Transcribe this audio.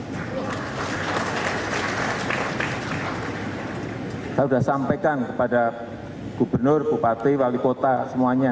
saya sudah sampaikan kepada gubernur bupati wali kota semuanya